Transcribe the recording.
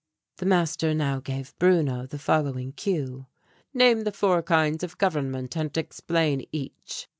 The master now gave Bruno the following cue: "Name the four kinds of government and explain each."